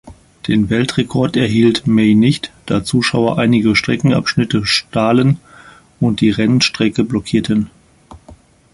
Den Weltrekord erhielt May nicht, da Zuschauer einige Streckenabschnitte stahlen und die Rennstrecke blockierten.